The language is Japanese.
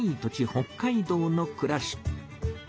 北海道のくらし。